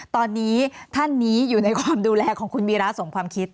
ตอนนี้ท่านนี้อยู่ในความดูแลของคุณวีระสมความคิด